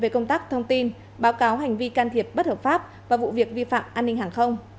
về công tác thông tin báo cáo hành vi can thiệp bất hợp pháp và vụ việc vi phạm an ninh hàng không